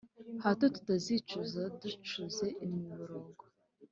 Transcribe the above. Hato tutazicuza ducuze imiborogo